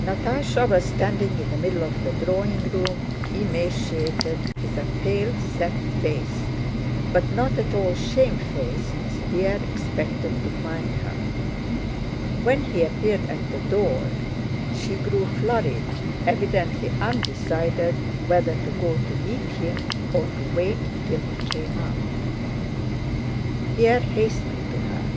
Natásha was standing in the middle of the drawing room, emaciated, with a pale set face, but not at all shamefaced as Pierre expected to find her. When he appeared at the door she grew flurried, evidently undecided whether to go to meet him or to wait till he came up. Pierre hastened to her.